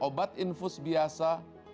obat infus biasa